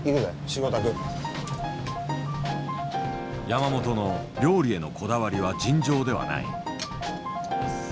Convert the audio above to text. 山本の料理へのこだわりは尋常ではない。